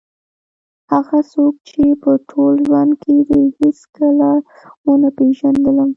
هغه څوک چې په ټول ژوند کې دې هېڅکله ونه پېژندلم.